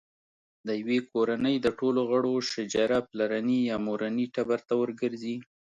د یوې کورنۍ د ټولو غړو شجره پلرني یا مورني ټبر ته ورګرځي.